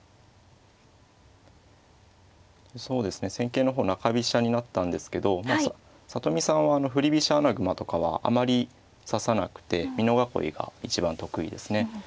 そうですね戦型の方中飛車になったんですけど里見さんは振り飛車穴熊とかはあまり指さなくて美濃囲いが一番得意ですね。